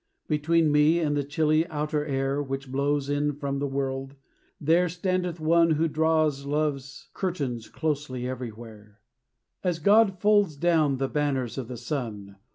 Between me and the chilly outer air Which blows in from the world, there standeth one Who draws Love's curtains closely everywhere, As God folds down the banners of the sun.